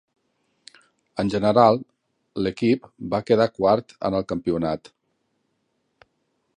En general l'equip va quedar quart en el campionat.